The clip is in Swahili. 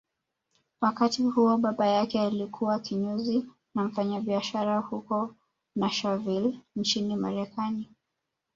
Wakati huo baba yake alikuwa kinyozi na mfanyabiashara huko Narshaville nchini Marekani